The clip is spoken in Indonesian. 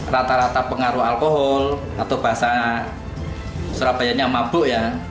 rata rata pengaruh alkohol atau bahasa surabayanya mabuk ya